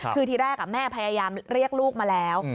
คือทีแรกแม่พยายามเรียกลูกมาแล้ว